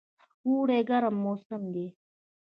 اوړی ګرم موسم دی